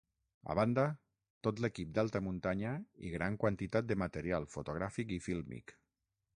A banda, tot l'equip d'alta muntanya i gran quantitat de material fotogràfic i fílmic.